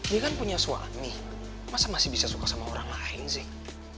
dia kan punya suami masa masih bisa suka sama orang lain sih